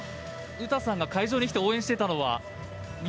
詩さんが会場に来て応援していたのは。